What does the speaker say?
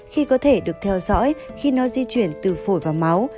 khi có thể được theo dõi khi nó di chuyển từ phổi vào máu